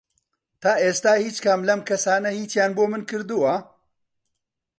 تا ئێستا هیچ کام لەم کەسانە هیچیان بۆ من کردووە؟